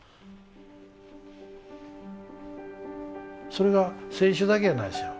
それが選手だけやないですよ。